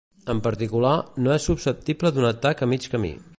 En particular, no és susceptible d'un atac a mig camí.